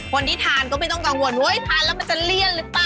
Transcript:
คนที่ทานก็ไม่ต้องกังวลเว้ยทานแล้วมันจะเลี่ยนหรือเปล่า